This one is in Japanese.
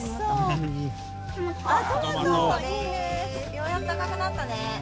ようやく赤くなったね。